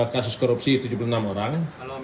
kasus korupsi tujuh puluh enam orang